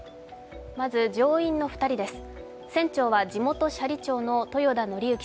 まず乗員の２人です。